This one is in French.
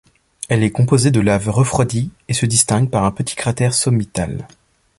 Elle est composée de lave refroidie et se distingue par un petit cratère sommital.